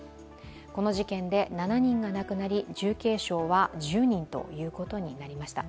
この事件で、７人が亡くなり重軽傷は１０人ということになりました。